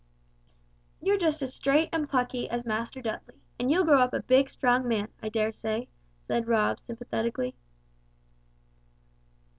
"You're just as straight and plucky as Master Dudley, and you'll grow up a big, strong man, I dare say," said Hob, sympathetically.